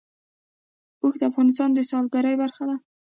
اوښ د افغانستان د سیلګرۍ برخه ده.